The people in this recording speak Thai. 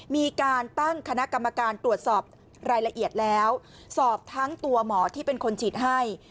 มีการตั้งคณะกรรมการตรวจสอบรายละเอียดแล้วสอบทั้งตัวหมอที่เป็นคนฉีดให้